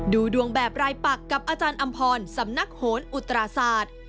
ดูดวงแบบรายปักกับอาจารย์อำพรสำนักโหนอุตราศาสตร์